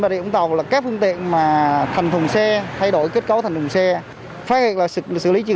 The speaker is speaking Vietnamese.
vũng tàu là các phương tiện mà thành thùng xe thay đổi kết cấu thành thùng xe phát hiện là xử lý trực